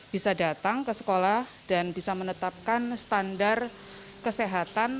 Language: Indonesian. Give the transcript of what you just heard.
bisa datang ke sekolah dan bisa menetapkan standar kesehatan